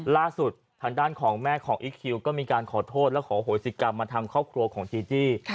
ล่าสุดทางด้านของแม่ของอีคคิวก็มีการขอโทษและขอโหสิกรรมมาทางครอบครัวของจีจี้